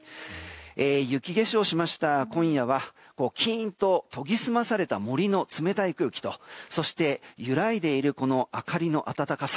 雪化粧をしました今夜はキーンと研ぎ澄まされた森の冷たい空気と揺らいでいる明かりの温かさ